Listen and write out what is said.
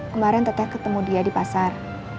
kemarin teteh ketemu dia di pasar